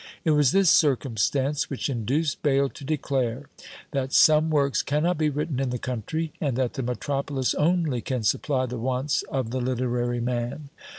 It was this circumstance which induced Bayle to declare, that some works cannot be written in the country, and that the metropolis only can supply the wants of the literary man.